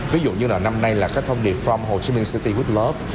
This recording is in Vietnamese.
ví dụ như là năm nay là cái thông điệp from ho chi minh city with love